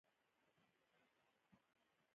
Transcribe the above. افغانستان د دښتې لپاره مشهور دی.